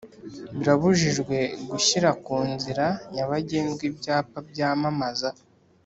Birabujijwe gushyira ku nzira nyabagendwa ibyapa byamamaza